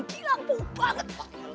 gila ampun banget